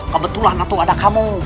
kebetulan aku ada kamu